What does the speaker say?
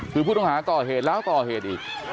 คือผู้ต้องหาก่อเหตุแล้วก่อเหตุอีก